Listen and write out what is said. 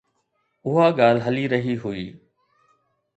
اها ڳالهه هلي رهي هئي.